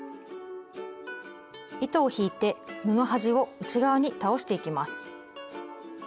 糸を引いて布端を内側に倒していきます。